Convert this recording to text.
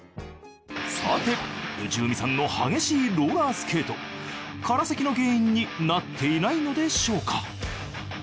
さて内海さんの激しいローラースケート。からせきの原因になっていないのでしょうか？